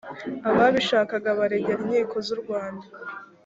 ababishaka baregera inkiko z u rwanda